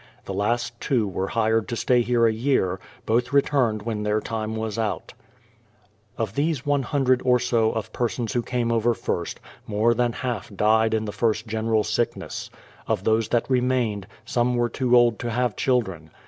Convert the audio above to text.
The last two were hired to stay here a year; both returned when their time was out. S44 BRADFORD'S HISTORY Of these 100 or so of persons who came over first, more than half died in the first general sickness. Of those that remained, some were too old to have children.